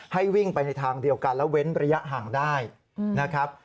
ให้วิ่งไปในทางเดียวกันและเว้นระยะห่างได้นะครับ